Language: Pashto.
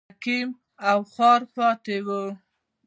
عقیم او خوار پاتې و.